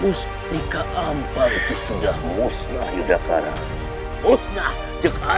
musti keampah itu sudah musnah yudhakara